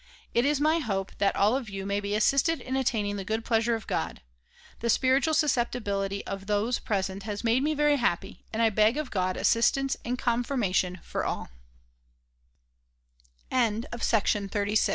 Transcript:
It is my hope that all of you may be assisted in attaining the good pleasure of God. The spiritual susceptibility of those present has made me very happy and I beg of God assistance and confirm